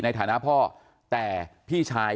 ในฐานะพ่อแต่พี่ชาย